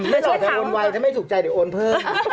ไม่ชอบจะโอนไวถ้าไม่ถูกใจเดี๋ยวโอนเพิ่ม